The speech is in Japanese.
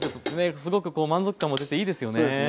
すごくこう満足感も出ていいですよね。